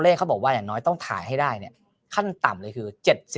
เขาบอกว่าอย่างน้อยต้องถ่ายให้ได้เนี่ยขั้นต่ำเลยคือ๗๐